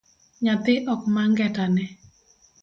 Nyathi ok ma ngeta ne